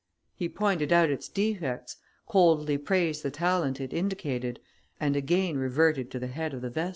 He pointed out its defects, coldly praised the talent it indicated, and again reverted to the head of the vestal.